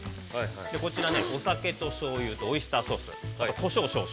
こちら、お酒としょうゆとオイスターソース、コショウ少々。